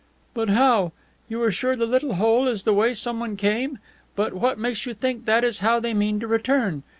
"But how? You are sure the little hole is the way someone came? But what makes you think that is how they mean to return?